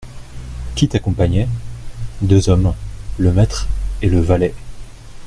Qui t'accompagnait ? Deux hommes : le maître et le valet.